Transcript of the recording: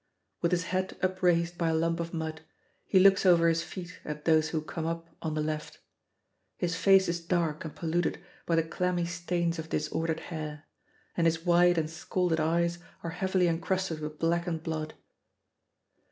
With his head upraised by a lump of mud, he looks over his feet at those who come up on the left; his face is dark and polluted by the clammy stains of disordered hair, and his wide and scalded eyes are heavily encrusted with blackened blood.